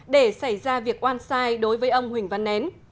để xảy ra việc oan sai đối với ông huỳnh văn nén